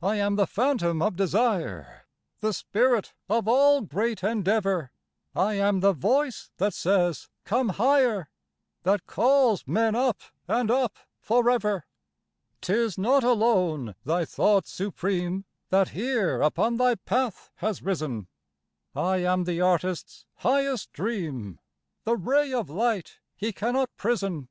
I am the phantom of desire— The spirit of all great endeavour, I am the voice that says, 'Come higher,' That calls men up and up for ever. "'Tis not alone thy thought supreme That here upon thy path has risen; I am the artist's highest dream, The ray of light he cannot prison.